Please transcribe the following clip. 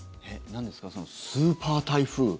なんですかそのスーパー台風。